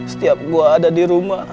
setiap gue ada di rumah